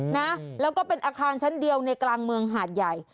นะแล้วก็เป็นอาคารชั้นเดียวในกลางเมืองหาดใหญ่